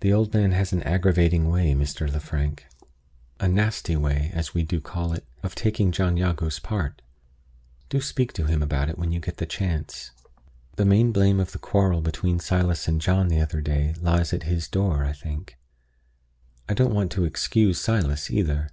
The old man has an aggravating way, Mr. Lefrank a nasty way, as we do call it of taking John Jago's part. Do speak to him about it when you get the chance. The main blame of the quarrel between Silas and John the other day lies at his door, as I think. I don't want to excuse Silas, either.